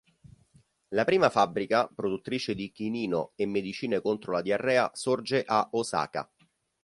La prima fabbrica, produttrice di chinino e medicine contro la diarrea, sorge a Osaka.